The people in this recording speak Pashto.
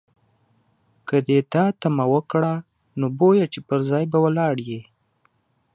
که دې دا تمه وکړه، نو بویه چې پر ځای به ولاړ یې.